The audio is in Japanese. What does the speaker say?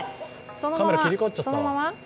カメラ切り替わっちゃった。